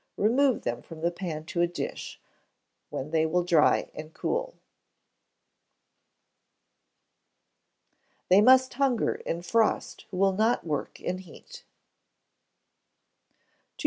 Remove them from the pan to a dish, when they will dry and cool. [THEY MUST HUNGER IN FROST WHO WILL NOT WORK IN HEAT.] 2097.